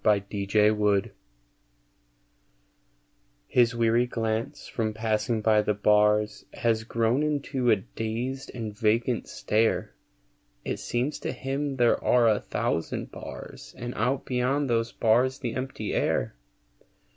THE PANTHER His weary glance, from passing by the bars, Has grown into a dazed and vacant stare; It seems to him there are a thousand bars And out beyond those bars the empty air.